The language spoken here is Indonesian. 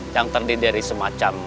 yang terdiri dari semacam